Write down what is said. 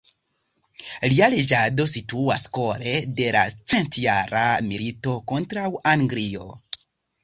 Lia reĝado situas kore de la Centjara milito kontraŭ Anglio.